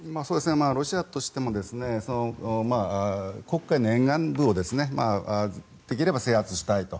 ロシアとしても黒海の沿岸部をできれば制圧したいと。